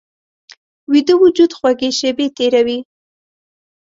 ویده وجود خوږې شیبې تېروي